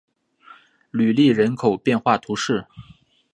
吕利人口变化图示